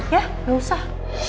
ya gak usah